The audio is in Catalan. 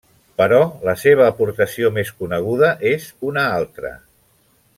Però la seva aportació més coneguda és una altra.